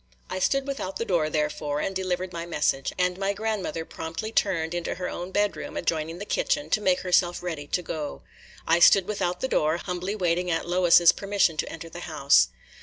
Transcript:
I stood without the door, therefore, and delivered my message; and my grandmother promptly turned into her own bedroom, adjoining the kitchen, to make herself ready to go. I stood without the door, humbly waiting Aunt Lois's permission to enter the house.